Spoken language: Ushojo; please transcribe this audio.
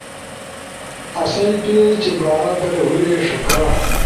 آسئی پیج بارا در ہورے ݜکا